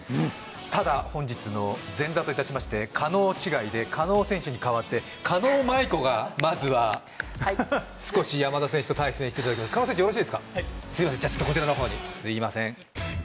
ただ本日の前座といたしましてカノウ違いで加納選手に代わって狩野舞子がまずは少し山田選手と対戦していただきます加納選手よろしいですかすいませんじゃこちらのほうにすいません